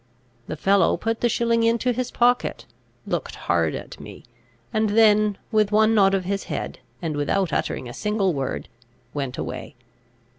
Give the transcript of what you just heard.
The fellow put the shilling into his pocket, looked hard at me, and then with one nod of his head, and without uttering a single word, went away.